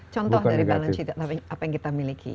contoh dari balance apa yang kita miliki